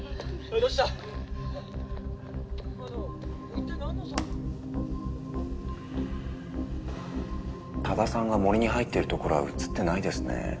カタッ多田さんが森に入ってるところは映ってないですね。